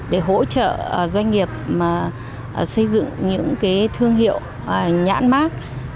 để hỗ trợ doanh nghiệp xây dựng những thương hiệu nhãn mát